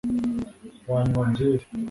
wanywa byeri